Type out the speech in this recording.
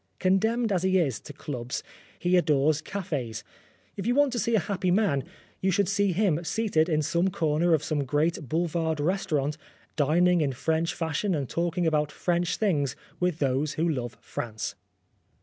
Con demned as he is to clubs, he adores cafes. If you want to see a happy man, you should see him seated in some corner of some great 268 Oscar Wilde boulevard restaurant, dining in French fashion and talking about French things with those who love France.